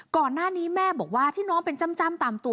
ก่อนหน้านี้แม่บอกว่าที่น้องเป็นจ้ำตามตัว